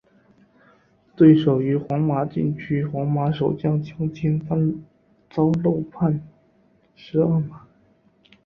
对手于皇马禁区皇马守将侵犯遭漏判十二码。